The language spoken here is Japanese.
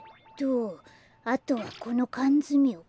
あとはこのかんづめをかってと。